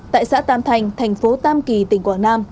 tại xã tam thành thành phố tam kỳ tỉnh quảng nam